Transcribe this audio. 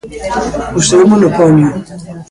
O seu monopolio.